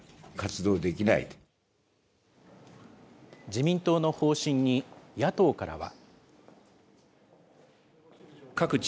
自民党の方針に野党からは。